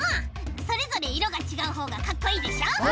それぞれいろがちがうほうがかっこいいでしょ？